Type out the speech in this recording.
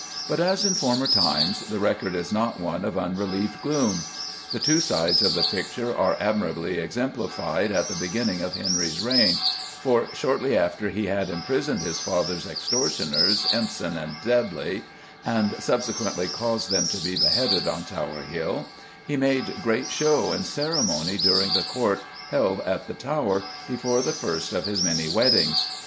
But, as in former times, the record is not one of unrelieved gloom. The two sides of the picture are admirably exemplified at the beginning of Henry's reign, for, shortly after he had imprisoned his father's "extortioners," Empson and Dudley, and subsequently caused them to be beheaded on Tower Hill, he made great show and ceremony during the Court held at the Tower before the first of his many weddings.